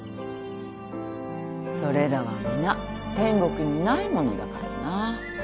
それらは皆天国にないものだからな。